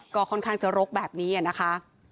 ก็ค่อนข้างจะรกแบบนี้นะคะ